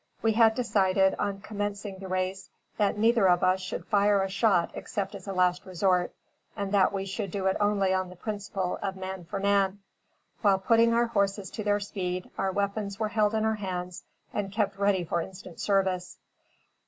We had decided, on commencing the race, that neither of us should fire a shot except as a last resort, and that we should do it only on the principle of man for man. While putting our horses to their speed, our weapons were held in our hands and kept ready for instant service.